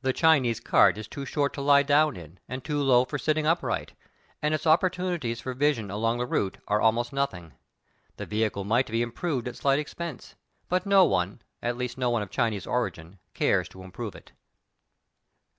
The Chinese cart is too short to lie down in and too low for sitting upright, and its opportunities for vision along the route are almost nothing. The vehicle might be improved at slight expense, but no one, at least no one of Chinese origin, cares to improve it.